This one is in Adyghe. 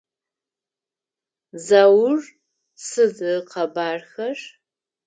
Заур сыд ыкъэбархэр?